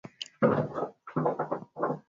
naam ni mambo ya rfi kiswahili hayo